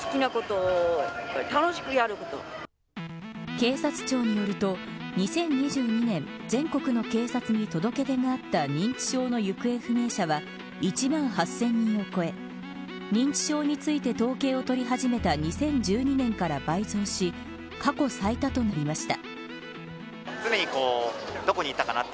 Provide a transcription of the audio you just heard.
警察庁によると２０２２年全国の警察に届け出があった認知症の行方不明者は１万８０００人を超え認知症について統計を取り始めた２０１２年から倍増し過去最多となりました。